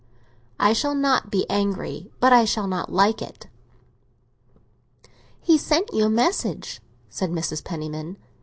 "I shall not be angry, but I shall not like it." "He sent you a message," said Mrs. Penniman.